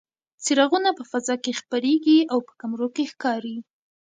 څراغونه په فضا کې خپرېږي او په کمرو کې ښکاري.